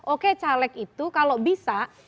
oke caleg itu kalau bisa